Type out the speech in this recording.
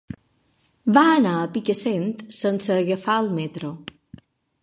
Va anar a Picassent sense agafar el metro.